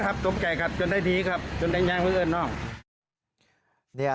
ครับตกแก่ครับจนได้ดีครับจนได้ย้างเพื่อนน้อง